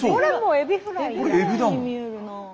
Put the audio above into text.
エビフライに見えるな。